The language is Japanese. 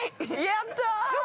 やった！